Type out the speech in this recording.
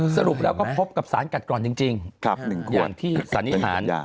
สรุปแล้วก็พบกับสารกัดกร่อนจริง๑คนที่สันนิษฐาน